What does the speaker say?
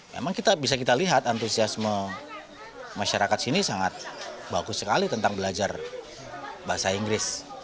memang bisa kita lihat antusiasme masyarakat sini sangat bagus sekali tentang belajar bahasa inggris